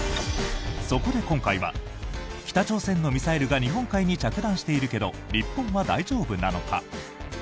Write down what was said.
そこで今回は北朝鮮のミサイルが日本海に着弾しているけど日本は大丈夫なのか？